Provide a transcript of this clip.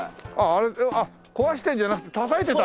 あれ壊してるんじゃなくてたたいてたんだ。